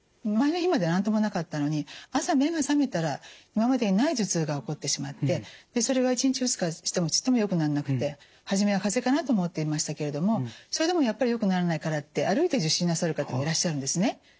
前の日まで何ともなかったのに朝目が覚めたら今までにない頭痛が起こってしまってそれが１日２日してもちっともよくならなくて初めは風邪かなと思っていましたけれどもそれでもやっぱりよくならないからって歩いて受診なさる方もいらっしゃるんですね。